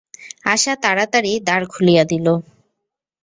আশা তাড়াতাড়ি দ্বার খুলিয়া দিল।